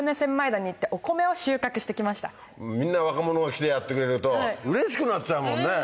みんな若者が来てやってくれるとうれしくなっちゃうもんね。